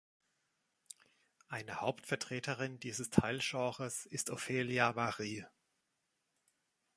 Eine Hauptvertreterin dieses Teilgenres ist Ophelia Marie.